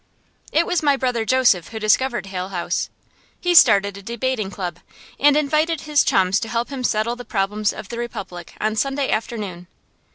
It was my brother Joseph who discovered Hale House. He started a debating club, and invited his chums to help him settle the problems of the Republic on Sunday afternoon.